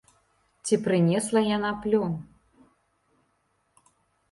Ці прынесла яна плён?